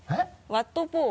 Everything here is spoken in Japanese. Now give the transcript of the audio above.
「ワット・ポー」